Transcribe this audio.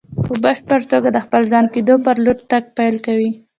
په بشپړ توګه د خپل ځان کېدو په لور تګ پيل کوي.